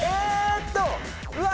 うわ！